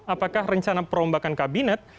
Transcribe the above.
apakah rencana perombakan kabinet